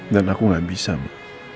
dan aku gak bisa ma